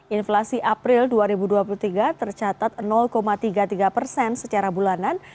inflasi april dua ribu dua puluh tiga tercatat tiga puluh tiga persen secara bulanan